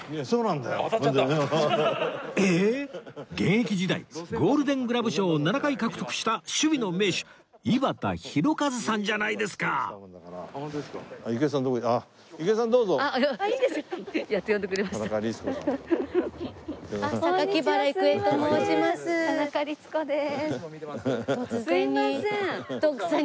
そうなんです。